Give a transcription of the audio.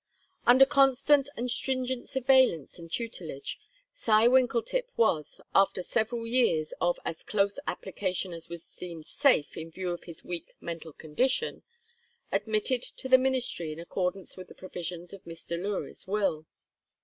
Under constant and stringent surveillance and tutelage, Cy Winkletip was, after several years of as close application as was deemed safe in view of his weak mental condition, admitted to the ministry in accordance with the provisions of Miss Delury's will.